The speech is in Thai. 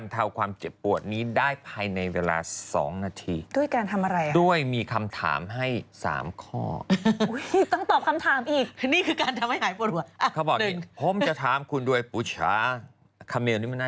เขาก็เลยบอกว่าไม่เป็นไม่รู้เรือง